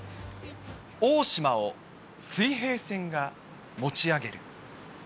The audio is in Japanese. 大島を水平線が持ち上げる。